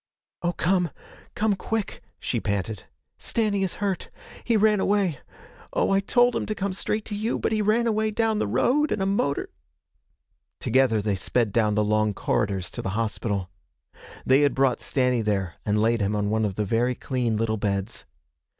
'Oh, come come quick!' she panted. 'Stanny is hurt He ran away Oh, I told him to come straight to you! But he ran away down the road, and a motor ' Together they sped down the long corridors to the hospital. They had brought Stanny there and laid him on one of the very clean little beds.